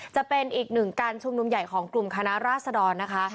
จะเป็นอีกหนึ่งการชุมนุมใหญ่ของกลุ่มคณะราษดรนะคะ